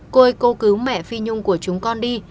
cô ơi cô cứu mẹ phi nhung của chúng con đi